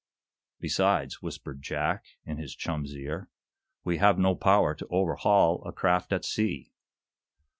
'" "Besides," whispered Jack, in his chum's ear, "we have no power to overhaul a craft at sea."